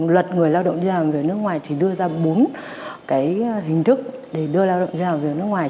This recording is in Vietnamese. luật người lao động đi làm việc ở nước ngoài thì đưa ra bốn cái hình thức để đưa lao động đi làm việc ở nước ngoài